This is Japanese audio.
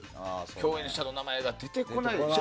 共演者の名前が出てこない。